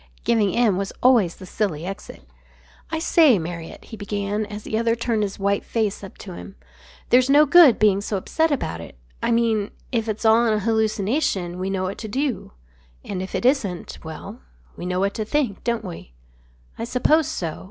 Giving in was always the silly exit. "I say, Marriott," he began, as the other turned his white face up to him. "There's no good being so upset about it. I mean if it's all an hallucination we know what to do. And if it isn't well, we know what to think, don't we?" "I suppose so.